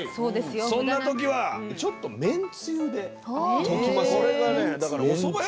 そんな時はちょっと麺つゆで溶きます。